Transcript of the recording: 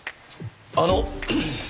あの。